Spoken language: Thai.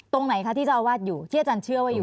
ตรงไหนคะที่เจ้าอาวาสอยู่ที่อาจารย์เชื่อว่าอยู่